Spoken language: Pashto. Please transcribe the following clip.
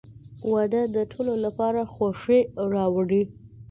• واده د ټولو لپاره خوښي راوړي.